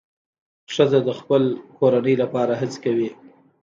ښځه د خپل کورنۍ لپاره هڅې کوي.